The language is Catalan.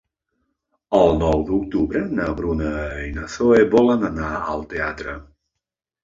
El nou d'octubre na Bruna i na Zoè volen anar al teatre.